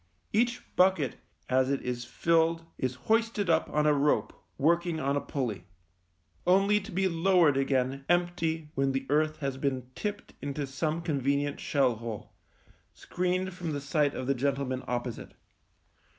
Each bucket as it is filled is hoisted up on a rope working on a pulley — only to be lowered again empty when the earth has been tipped into some convenient shell hole, screened from the sight of the gentlemen opposite.